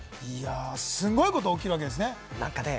すごいことが起きるんですね。